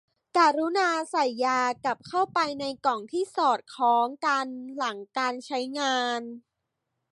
กรุณาใส่ยากลับเข้าไปในกล่องที่สอดคล้องกันหลังการใช้งาน